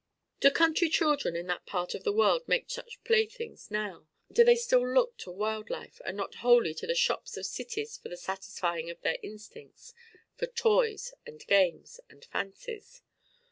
Do country children in that part of the world make such playthings now? Do they still look to wild life and not wholly to the shops of cities for the satisfying of their instincts for toys and games and fancies?